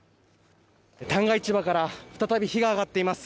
旦過市場から再び火が上がっています。